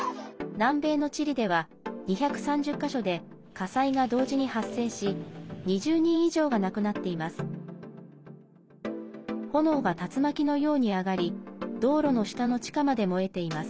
南米のチリでは２３０か所で火災が同時に発生し２０人以上が亡くなっています。